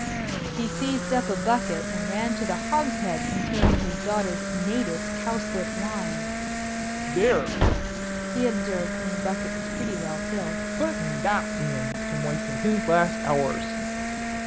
He seized up a bucket and ran to the hogshead containing his daughter's native cowslip wine. "There!" he observed when the bucket was pretty well filled. "Put that in to moisten his last hours."